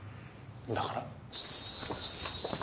だから？